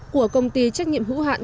của công ty trách nhiệm hữu hạn